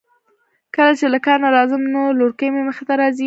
کله چې له کار نه راځم نو لورکۍ مې مخې ته راځی.